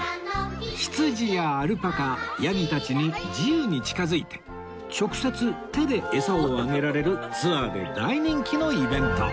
羊やアルパカヤギたちに自由に近づいて直接手でエサをあげられるツアーで大人気のイベント